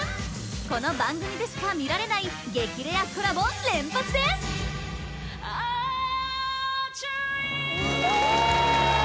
この番組でしか見られない激レアコラボ連発ですＡＤＲＥＡＭ・